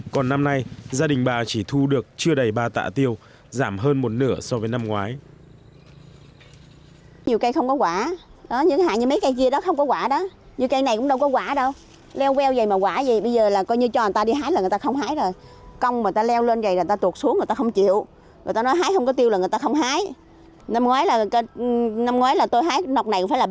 còn năm nay gia đình bà chỉ thu được chưa đầy ba tạ tiêu giảm hơn một nửa so với năm ngoái